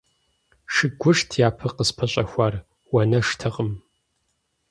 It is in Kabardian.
Шыгушт япэ къыспэщӀэхуар, уанэштэкъым.